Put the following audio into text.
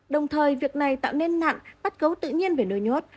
đồng thời việc này tạo nên nặng bắt gấu tự nhiên về nuôi nhốt